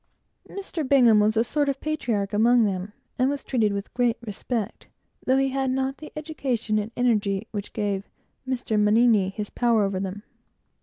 Mr. Bingham was a sort of patriarch among them, and was always treated with great respect, though he had not the education and energy which gave Mr. Mannini his power over them.